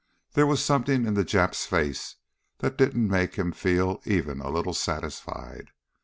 There was something in the Jap's face that didn't make him feel even a little satisfied.